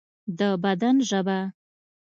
د بدن ژبه